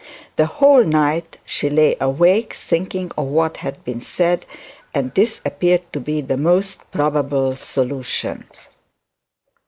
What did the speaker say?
The whole night she lay awake thinking of what had been said, and this appeared to be the most probable solution.